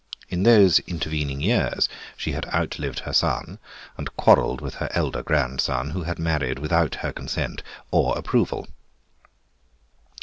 In those intervening years she had outlived her son and quarrelled with her elder grandson, who had married without her consent or approval.